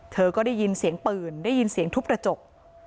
เธอก็ได้ยินเสียงปืนได้ยินเสียงทุบกระจก